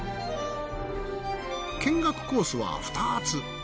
見学コースは２つ。